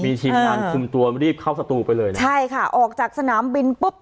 มีทีมงานคุมตัวรีบเข้าสตูไปเลยนะใช่ค่ะออกจากสนามบินปุ๊บ